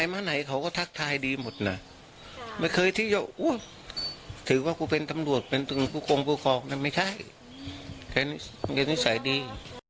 ยังเงินิสัยดี